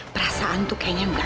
perasaan tuh kayaknya enggak